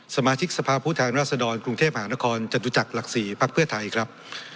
สมาชิกสภาพผู้แทนราษฎรกรุงเทพหานครจตุจักรหลัก๔พักเพื่อไทยครับ